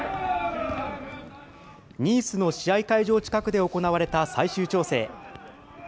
ニースの試合会場近くで行われた最終調整。